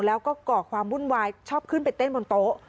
แล้วก็ก่อความวุ่นวายชอบขึ้นไปเต้นบนโต๊ะ